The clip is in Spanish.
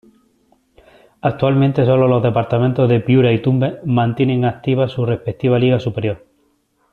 Actualmente sólo los departamentos de Piura y Tumbes mantienen activas su respectiva Liga Superior.